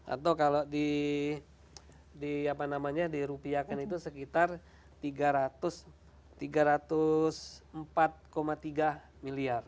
atau kalau di apa namanya dirupiakan itu sekitar tiga ratus empat tiga miliar